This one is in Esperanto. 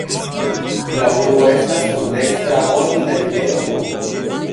La urbo estas sur dekstra bordo de rivero Volgo.